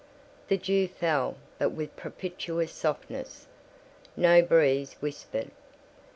The dew fell, but with propitious softness; no breeze whispered.